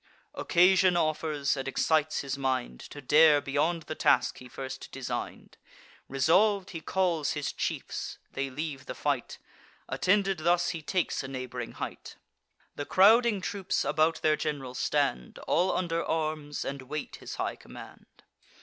Occasion offers, and excites his mind To dare beyond the task he first design'd. Resolv'd, he calls his chiefs; they leave the fight: Attended thus, he takes a neighb'ring height; The crowding troops about their gen'ral stand, All under arms, and wait his high command.